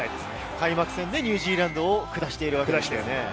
開幕戦でニュージーランドを下しているわけですからね。